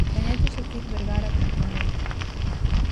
Gañaches o Fiz Vergara con Tundra.